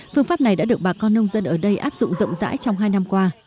phương pháp này đã được bà con nông dân ở đây áp dụng rộng rãi trong hai năm qua